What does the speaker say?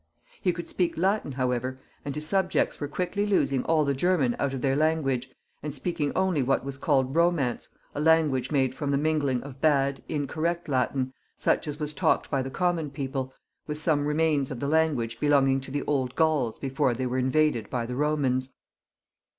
He could speak Latin, however, and his subjects were quickly losing all the German out of their language, and speaking only what was called Eomance, a language made from the mingling of bad, incorrect Latin, such as was talked by the common people, with some remains of the language belonging to the old Gauls before they were invaded by the Komans. X.] THE LAST CARLO VINGIAN KINGS.